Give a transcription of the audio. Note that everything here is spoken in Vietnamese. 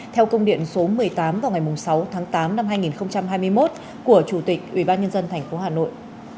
theo công điện số một mươi tám vào ngày sáu tháng tám năm hai nghìn hai mươi một của chủ tịch ubnd tp hà nội